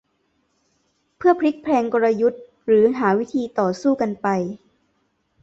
เพื่อพลิกแพลงกลยุทธ์ หรือหาวิธีต่อสู้กันไป